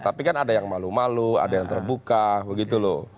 tapi kan ada yang malu malu ada yang terbuka begitu loh